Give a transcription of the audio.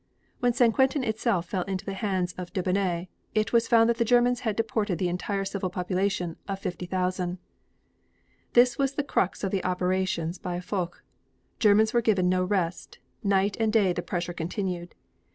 When St. Quentin itself fell into the hands of Debeney, it was found that the Germans had deported the entire civilian population of 50,000. This was the crux of the operations by Foch. Germans were given no rest; night and day the pressure continued.